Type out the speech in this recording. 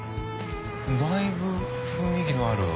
だいぶ雰囲気のある。